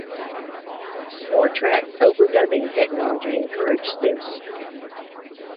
Four-track overdubbing technology encouraged this.